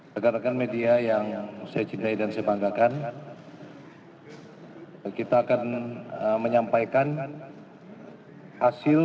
rekan rekan media yang saya cintai dan saya banggakan kita akan menyampaikan hasil